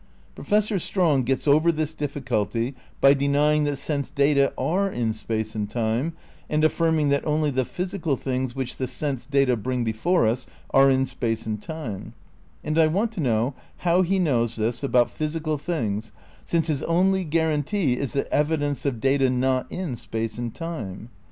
Professor Strong gets over this difficulty by denying that sense data are in space and time, and affirming that only the physical things which the sense data bring before us are in space and time ; and I want to know how he knows this about physical things since his only guarantee is the evidence of data not in space and time